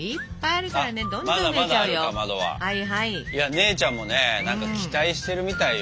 姉ちゃんもね何か期待してるみたいよ。